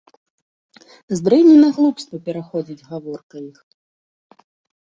З дрэні на глупства пераходзіць гаворка іх.